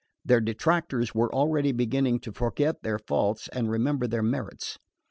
Their detractors were already beginning to forget their faults and remember their merits.